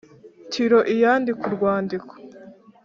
Tiroi yandika urwandiko